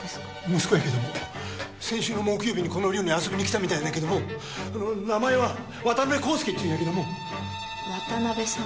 息子やけども先週の木曜日にこの寮に遊びにきたみたいなんやけども名前は渡辺康介っちゅうんやけども渡辺さん？